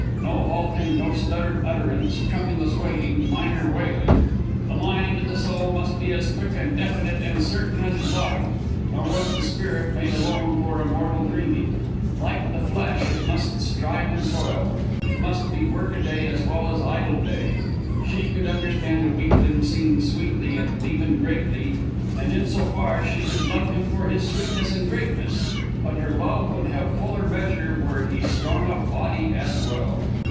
No halting, no stuttered utterance, tremulous waiting, minor wailing! The mind and the soul must be as quick and definite and certain as the body. Nor was the spirit made alone for immortal dreaming. Like the flesh, it must strive and toil. It must be workaday as well as idle day. She could understand a weakling singing sweetly and even greatly, and in so far she could love him for his sweetness and greatness; but her love would have fuller measure were he strong of body as well.